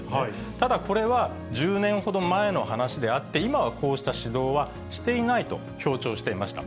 ただこれは、１０年ほど前の話であって、今は、こうした指導はしていないと強調していました。